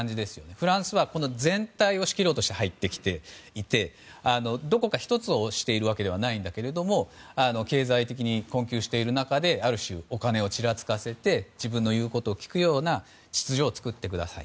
フランスは全体を仕切ろうとして入ってきていてどこか１つを押しているわけではないんだけれども経済的に困窮する中である種、お金をちらつかせて自分の言うことを聞くような秩序を作ってください。